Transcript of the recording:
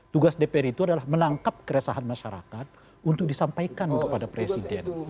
tugas dpr itu adalah menangkap keresahan masyarakat untuk disampaikan kepada presiden